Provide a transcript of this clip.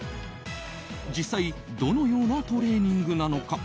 実際どのようなトレーニングなのか。